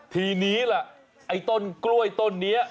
ทีนี้ล่ะไอ้ต้นกล้วยต้นนี้